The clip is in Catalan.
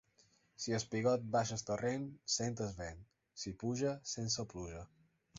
Si el pigot baixa al torrent, sent el vent; si puja, sent la pluja.